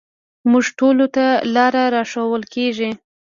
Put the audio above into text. موږ ټولو ته لاره راښوول کېږي.